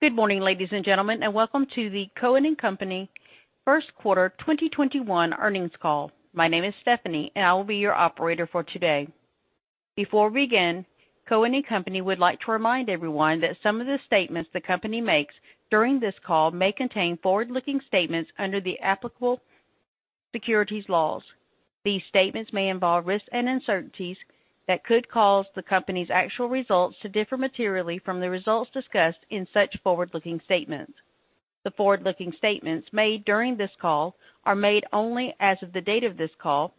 Good morning, ladies and gentlemen, and welcome to the Cohen & Company first quarter 2021 earnings call. My name is Stephanie, and I will be your operator for today. Before we begin, Cohen & Company would like to remind everyone that some of the statements the company makes during this call may contain forward-looking statements under the applicable securities laws. These statements may involve risks and uncertainties that could cause the company's actual results to differ materially from the results discussed in such forward-looking statements. The forward-looking statements made during this call are made only as of the date of this call,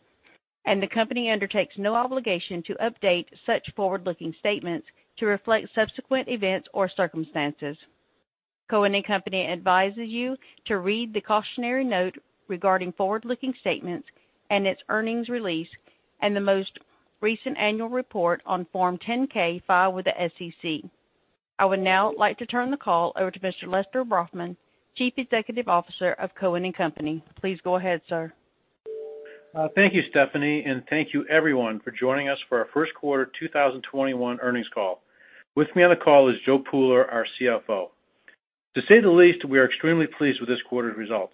and the company undertakes no obligation to update such forward-looking statements to reflect subsequent events or circumstances. Cohen & Company advises you to read the cautionary note regarding forward-looking statements and its earnings release and the most recent annual report on Form 10-K filed with the SEC. I would now like to turn the call over to Mr. Lester Brafman, Chief Executive Officer of Cohen & Company. Please go ahead, sir. Thank you, Stephanie, and thank you everyone for joining us for our first quarter 2021 earnings call. With me on the call is Joseph Pooler, our CFO. To say the least, we are extremely pleased with this quarter's results.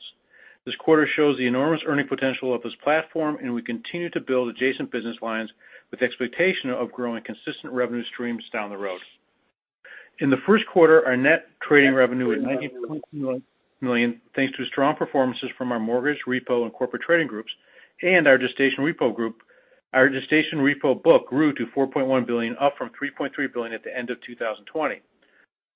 This quarter shows the enormous earning potential of this platform, and we continue to build adjacent business lines with the expectation of growing consistent revenue streams down the road. In the first quarter, our net trading revenue was $19.2 million, thanks to strong performances from our mortgage, repo, and corporate trading groups and our gestation repo group. Our gestation repo book grew to $4.1 billion, up from $3.3 billion at the end of 2020.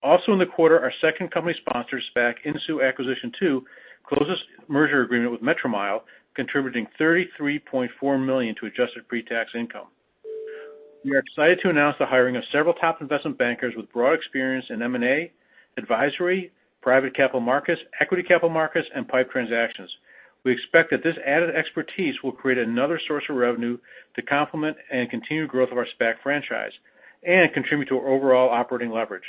Also in the quarter, our second company-sponsored SPAC, INSU Acquisition Corp. II, closed its merger agreement with Metromile, contributing $33.4 million to adjusted pre-tax income. We are excited to announce the hiring of several top investment bankers with broad experience in M&A, advisory, private capital markets, equity capital markets, and PIPE transactions. We expect that this added expertise will create another source of revenue to complement and continue growth of our SPAC franchise and contribute to our overall operating leverage.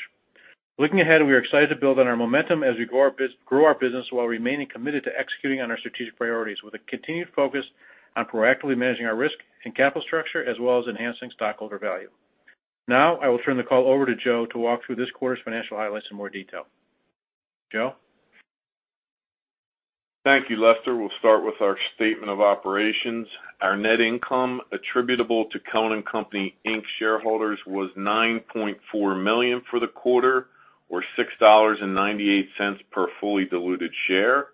Looking ahead, we are excited to build on our momentum as we grow our business while remaining committed to executing on our strategic priorities with a continued focus on proactively managing our risk and capital structure, as well as enhancing stockholder value. Now, I will turn the call over to Joe to walk through this quarter's financial highlights in more detail. Joe? Thank you, Lester. We'll start with our statement of operations. Our net income attributable to Cohen & Company Inc. shareholders was $9.4 million for the quarter, or $6.98 per fully diluted share,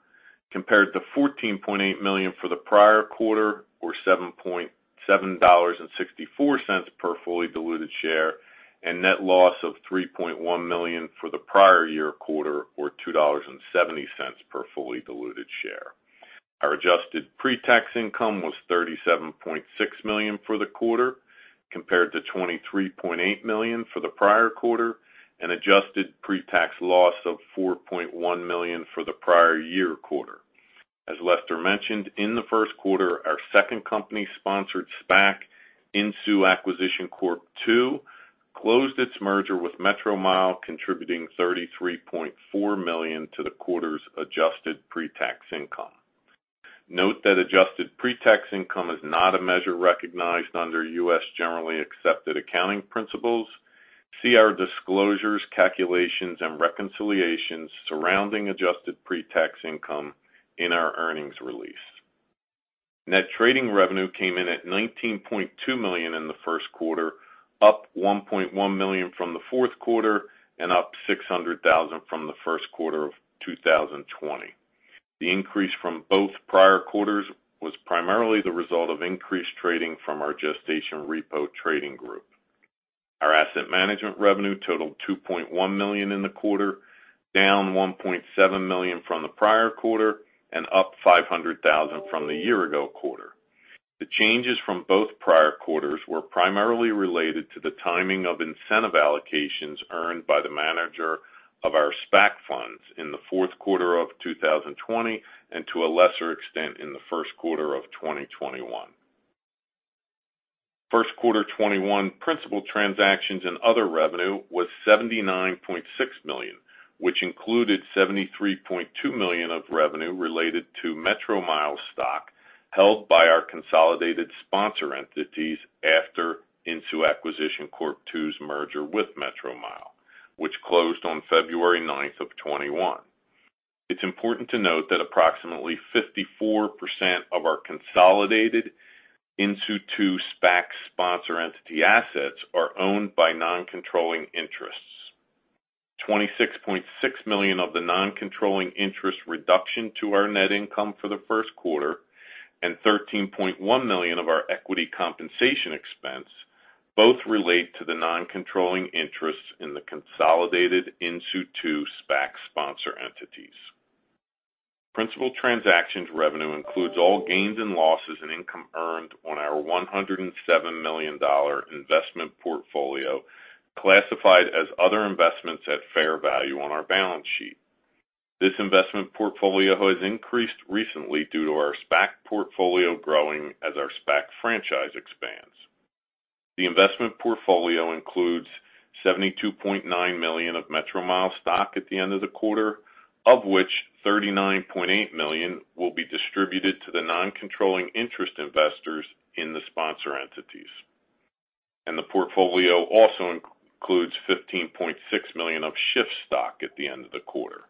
compared to $14.8 million for the prior quarter, or $7.64 per fully diluted share, and net loss of $3.1 million for the prior year quarter, or $2.70 per fully diluted share. Our adjusted pre-tax income was $37.6 million for the quarter, compared to $23.8 million for the prior quarter and adjusted pre-tax loss of $4.1 million for the prior year quarter. As Lester mentioned, in the first quarter, our second company-sponsored SPAC, INSU Acquisition Corp. II, closed its merger with Metromile, contributing $33.4 million to the quarter's adjusted pre-tax income. Note that adjusted pre-tax income is not a measure recognized under U.S. Generally Accepted Accounting Principles. See our disclosures, calculations, and reconciliations surrounding adjusted pre-tax income in our earnings release. Net trading revenue came in at $19.2 million in the first quarter, up $1.1 million from the fourth quarter and up $600,000 from the first quarter of 2020. The increase from both prior quarters was primarily the result of increased trading from our gestation repo trading group. Our asset management revenue totaled $2.1 million in the quarter, down $1.7 million from the prior quarter and up $500,000 from the year-ago quarter. The changes from both prior quarters were primarily related to the timing of incentive allocations earned by the manager of our SPAC funds in the fourth quarter of 2020 and to a lesser extent in the first quarter of 2021. First quarter 2021 principal transactions and other revenue was $79.6 million, which included $73.2 million of revenue related to Metromile stock held by our consolidated sponsor entities after INSU Acquisition Corp. II's merger with Metromile, which closed on February 9, 2021. It's important to note that approximately 54% of our consolidated INSU II SPAC sponsor entity assets are owned by non-controlling interests. $26.6 million of the non-controlling interest reduction to our net income for the first quarter and $13.1 million of our equity compensation expense both relate to the non-controlling interests in the consolidated INSU II SPAC sponsor entities. Principal transactions revenue includes all gains and losses and income earned on our $107 million investment portfolio classified as other investments at fair value on our balance sheet. This investment portfolio has increased recently due to our SPAC portfolio growing as our SPAC franchise expands. The investment portfolio includes $72.9 million of Metromile stock at the end of the quarter, of which $39.8 million will be distributed to the non-controlling interest investors in the sponsor entities. The portfolio also includes $15.6 million of Shift stock at the end of the quarter.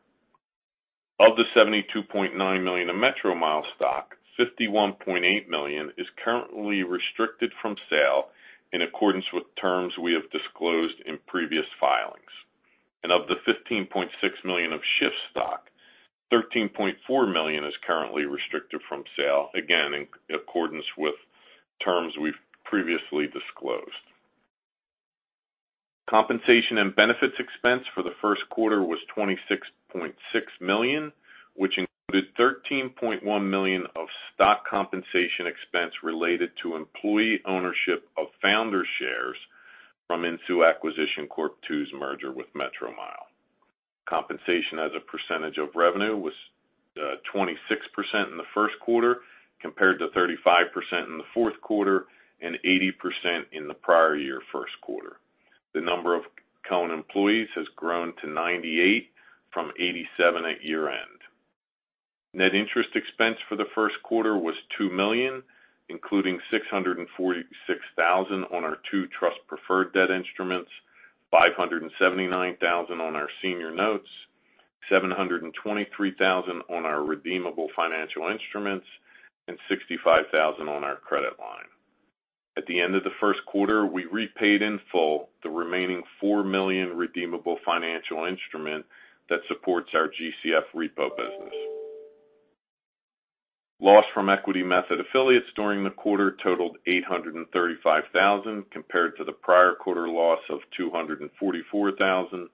Of the $72.9 million of Metromile stock, $51.8 million is currently restricted from sale in accordance with terms we have disclosed in previous filings. Of the $15.6 million of Shift stock, $13.4 million is currently restricted from sale, again, in accordance with terms we've previously disclosed. Compensation and benefits expense for the first quarter was $26.6 million, which included $13.1 million of stock compensation expense related to employee ownership of founder shares from INSU Acquisition Corp. II's merger with Metromile. Compensation as a percentage of revenue was 26% in the first quarter, compared to 35% in the fourth quarter and 80% in the prior year first quarter. The number of Cohen employees has grown to 98 from 87 at year-end. Net interest expense for the first quarter was $2 million, including $646,000 on our two trust preferred debt instruments, $579,000 on our senior notes, $723,000 on our redeemable financial instruments, and $65,000 on our credit line. At the end of the first quarter, we repaid in full the remaining $4 million redeemable financial instrument that supports our GCF repo business. Loss from equity method affiliates during the quarter totaled $835,000, compared to the prior quarter loss of $244,000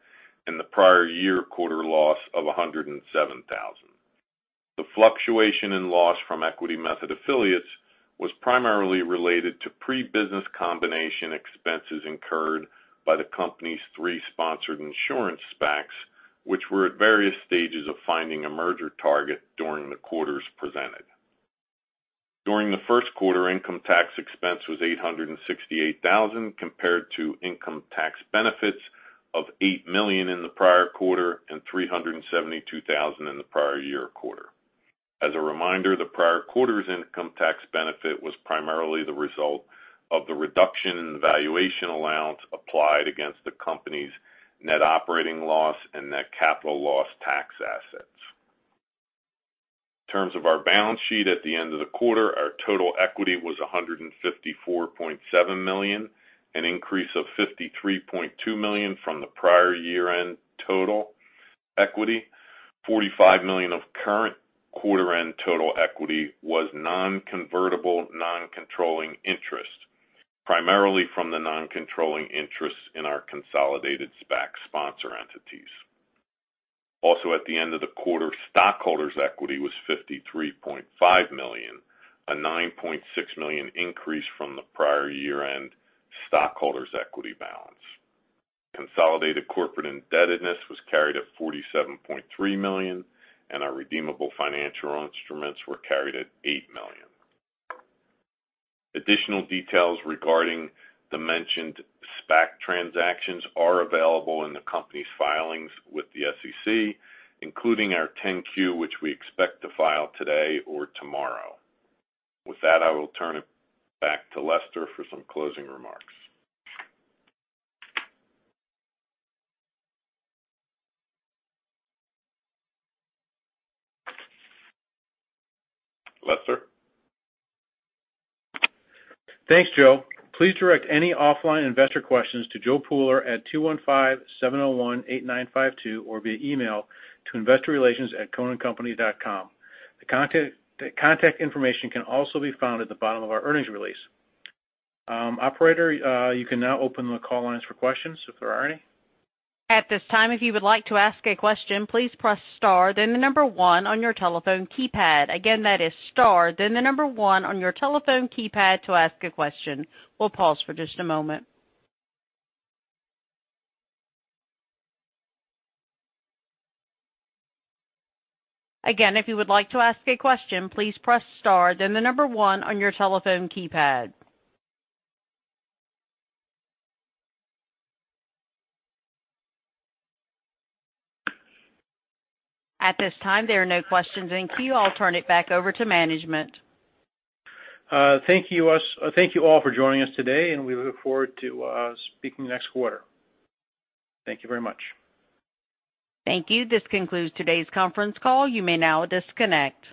and the prior year quarter loss of $107,000. The fluctuation in loss from equity method affiliates was primarily related to pre-business combination expenses incurred by the company's three sponsored insurance SPACs, which were at various stages of finding a merger target during the quarters presented. During the first quarter, income tax expense was $868,000, compared to income tax benefits of $8 million in the prior quarter and $372,000 in the prior year quarter. As a reminder, the prior quarter's income tax benefit was primarily the result of the reduction in the valuation allowance applied against the company's net operating loss and net capital loss tax assets. In terms of our balance sheet at the end of the quarter, our total equity was $154.7 million, an increase of $53.2 million from the prior year-end total equity. $45 million of current quarter-end total equity was non-convertible, non-controlling interest, primarily from the non-controlling interests in our consolidated SPAC sponsor entities. Also at the end of the quarter, stockholders' equity was $53.5 million, a $9.6 million increase from the prior year-end stockholders' equity balance. Consolidated corporate indebtedness was carried at $47.3 million, and our redeemable financial instruments were carried at $8 million. Additional details regarding the mentioned SPAC transactions are available in the company's filings with the SEC, including our 10-Q, which we expect to file today or tomorrow. With that, I will turn it back to Lester for some closing remarks. Lester? Thanks, Joe. Please direct any offline investor questions to Joe Pooler at 215-701-8952 or via email to investorrelations@cohenandcompany.com. The contact information can also be found at the bottom of our earnings release. Operator, you can now open the call lines for questions if there are any. At this time, if you would like to ask a question, please press star, then the number one on your telephone keypad. Again, that is star, then the number one on your telephone keypad to ask a question. We'll pause for just a moment. Again, if you would like to ask a question, please press star, then the number one on your telephone keypad. At this time, there are no questions in queue. I'll turn it back over to management. Thank you all for joining us today. We look forward to speaking next quarter. Thank you very much. Thank you. This concludes today's conference call. You may now disconnect.